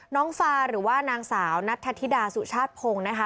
น้องฟาหรือว่านางสาวนัทธิดาสุชาติพงศ์นะคะ